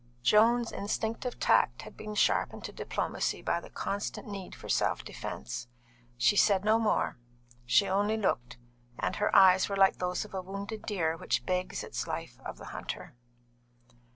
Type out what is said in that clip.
Joan's instinctive tact had been sharpened to diplomacy by the constant need of self defence. She said no more; she only looked; and her eyes were like those of a wounded deer which begs its life of the hunter.